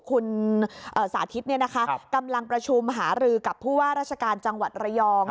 คุณสาธิตกำลังประชุมหารือกับผู้ว่าราชการจังหวัดระยอง